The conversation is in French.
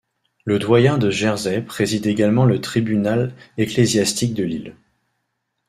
Le doyen de Jersey préside également le tribunal ecclésiastique de l'île.